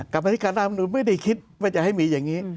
กรรมธิการรัฐมนุนไม่ได้คิดว่าจะให้มีอย่างนี้